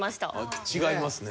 違いますね。